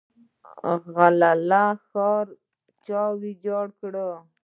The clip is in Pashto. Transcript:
غلغله ښار چا ویجاړ کړ؟